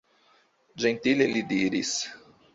Ĝentile li diris: